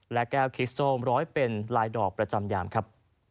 และแก้วคิสโซมร้อยเป็นลายดอกประจำยามครับ